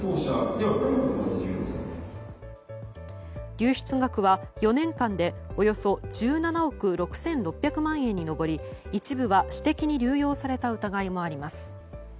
流出額は４年間でおよそ１７億６６００万円に上り一部は私的に流用された疑いもあります。